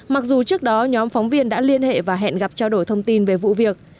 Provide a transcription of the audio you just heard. mặc dù trước đó nhóm phóng viên đã liên hệ và hẹn gặp trao đổi thông tin về vụ việc